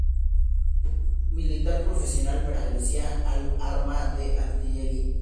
Militar profesional, pertenecía al arma de artillería.